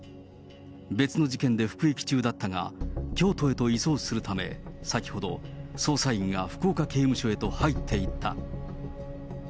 別の事件で服役中だったが、京都へと移送するため、先ほど捜査員が福岡刑務所へと入っていった。